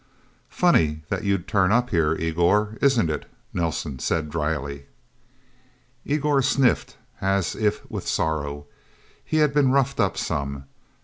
"Funny that you'd turn up, here Igor, is it?" Nelsen said dryly. Igor sniffed, as if with sorrow. He had been roughed up, some.